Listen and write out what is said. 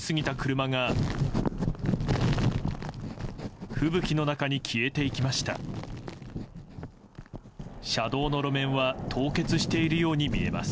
車道の路面は凍結しているように見えます。